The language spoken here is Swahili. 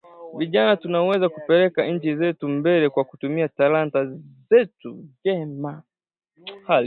Vijana tutaweza kupeleka nchi zetu mbele kwa kutumia talanta zetu vyema